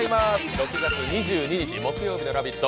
６月２２日木曜日の「ラヴィット！」